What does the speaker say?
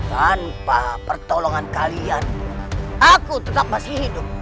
tanpa pertolongan kalian aku tetap masih hidup